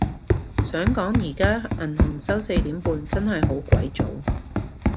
想講而家銀行收四點半，真係好鬼早